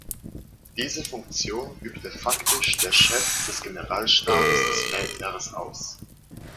Diese Funktion übte faktisch der "Chef des Generalstabes des Feldheeres" aus.